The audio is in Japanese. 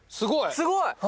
すごい。